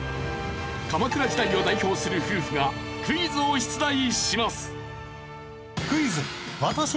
鎌倉時代を代表する夫婦がクイズを出題します。